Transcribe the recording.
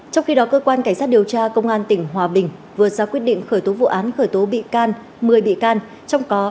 trong khi đó cơ quan cảnh sát điều tra công an tp hcm vừa ra quyết định khởi tố vụ án khởi tố một mươi bị can